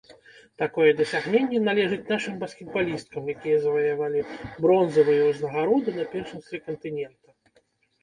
Такое дасягненне належыць нашым баскетбалісткам, якія заваявалі бронзавыя ўзнагароды на першынстве кантынента.